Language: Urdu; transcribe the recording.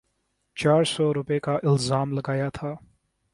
چار سو روپے کا الزام لگایا تھا۔